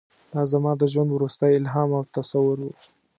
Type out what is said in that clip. دا زما د ژوند وروستی الهام او تصور و.